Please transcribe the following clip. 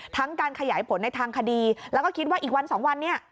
การขยายผลในทางคดีแล้วก็คิดว่าอีกวันสองวันเนี่ย